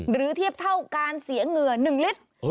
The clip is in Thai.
เทียบเท่าการเสียเหงื่อ๑ลิตร